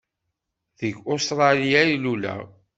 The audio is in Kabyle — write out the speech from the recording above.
Deg Ustṛalya ay luleɣ.